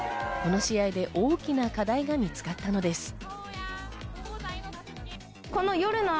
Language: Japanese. この試合で大きな課題が見つかったのです。